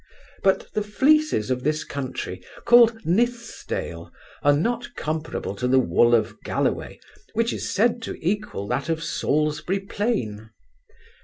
But the fleeces of this country, called Nithsdale, are not comparable to the wool of Galloway, which is said to equal that of Salisbury plain.